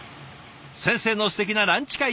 先生のすてきなランチ会